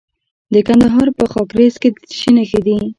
د کندهار په خاکریز کې د څه شي نښې دي؟